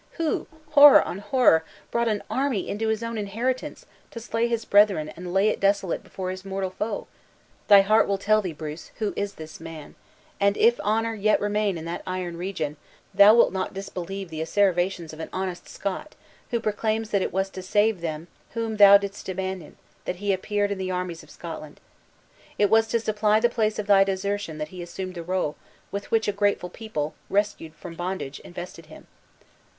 Who, horror on horror! brought an army into his own inheritance, to slay his brethren and to lay it desolate before his mortal foe? Thy heart will tell thee, Bruce, who is this man; and if honor yet remain in that iron region, thou wilt not disbelieve the asseverations of an honest Scot, who proclaims that it was to save them whom thou didst abandon, that he appeared in the armies of Scotland. It was to supply the place of thy desertion that he assumed the rule, with which a grateful people, rescued from bondage, invested him."